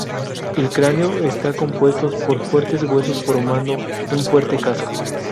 El cráneo esta compuestos por fuertes huesos formando un fuerte casco.